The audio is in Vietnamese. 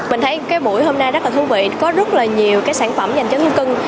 mình thấy cái buổi hôm nay rất là thú vị có rất là nhiều cái sản phẩm dành cho thú cưng